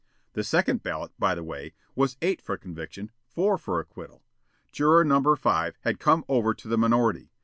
The second ballot, by the way, was eight for conviction, four for acquittal. Juror No. 5 had come over to the minority.